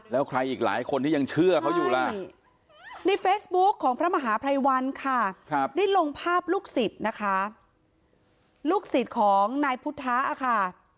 แล้วใครอีกหลายคนที่ยังเชื่อเขาอยู่ล่ะ